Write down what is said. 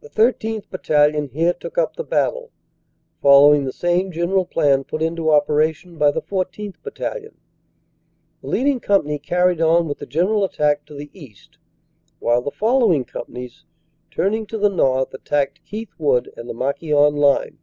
"The 13th. Battalion here took up the battle, following the same general plan put into operation by the 14th. Battalion. The leading company carried on with the general attack to the 234 CANADA S HUNDRED DAYS east, while the following companies, turning to the north, attacked Keith Wood and the Marquion line.